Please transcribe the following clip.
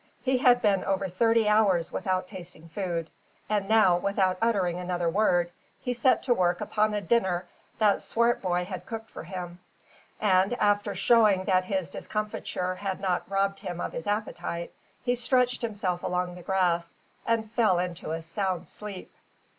He had been over thirty hours without tasting food, and now without uttering another word, he set to work upon a dinner that Swartboy had cooked for him, and, after showing that his discomfiture had not robbed him of his appetite, he stretched himself along the grass and fell into a sound sleep.